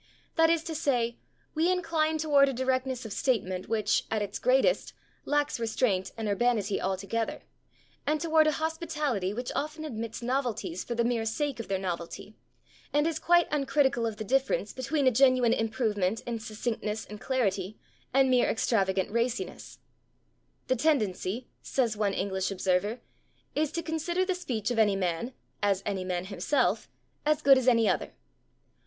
That is to say, we incline toward a directness of statement which, at its greatest, lacks restraint and urbanity altogether, and toward a hospitality which often admits novelties for the mere sake of their novelty, and is quite uncritical of the difference between a genuine improvement in succinctness and clarity, and mere extravagant raciness. "The tendency," says one English observer, "is ... to consider the speech of any man, as any man himself, as good as any other."